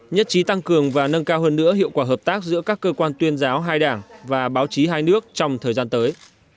nhất trí tăng cường và nâng cao hơn nữa hiệu quả hợp tác giữa các cơ quan tuyên giáo hai đảng và báo chí hai nước trong thời gian tới